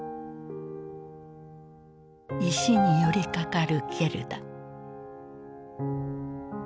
石に寄りかかるゲルダ。